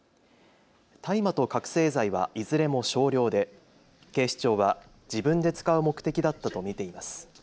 大麻と覚醒剤はいずれも少量で警視庁は自分で使う目的だったと見ています。